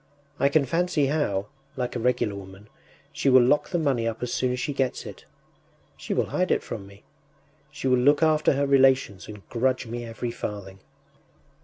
I can fancy how, like a regular woman, she will lock the money up as soon as she gets it.... She will hide it from me.... She will look after her relations and grudge me every farthing.